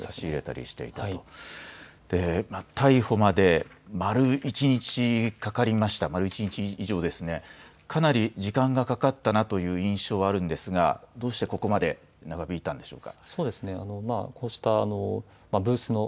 軽食や飲み物を差し入れたりしていたと逮捕までまる１日かかりましたが丸１日以上かなり時間がかかったなという印象があるんですがどうしてここまで長引いたんでしょうか。